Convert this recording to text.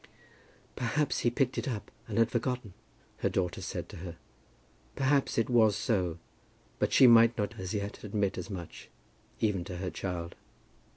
"Perhaps he picked it up, and had forgotten," her daughter said to her. Perhaps it was so, but she might not as yet admit as much even to her child.